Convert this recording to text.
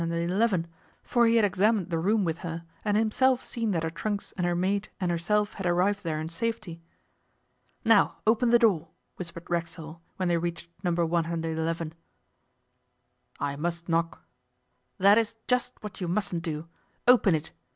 111, for he had examined the room with her, and himself seen that her trunks and her maid and herself had arrived there in safety. 'Now open the door,' whispered Racksole, when they reached No.111. 'I must knock.' 'That is just what you mustn't do. Open it.